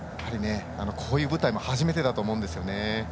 こういう舞台も初めてだと思うんですね。